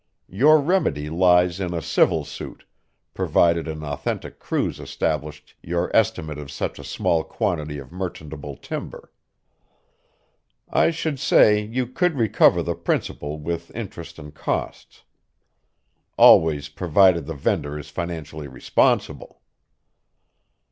Your remedy lies in a civil suit provided an authentic cruise established your estimate of such a small quantity of merchantable timber. I should say you could recover the principal with interest and costs. Always provided the vendor is financially responsible."